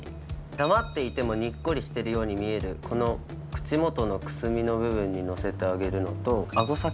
黙っていてもにっこりしてるように見えるこの口元のくすみの部分に乗せてあげるのとあご先。